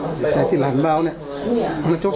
ไปเยี่ยมผู้แทนพระองค์